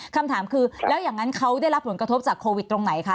คำถามคือแล้วอย่างนั้นเขาได้รับผลกระทบจากโควิดตรงไหนคะ